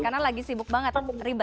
karena lagi sibuk banget ribet